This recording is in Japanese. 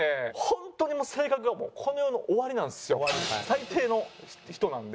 本当にもう性格がこの世の終わりなんですよ最低の人なんで。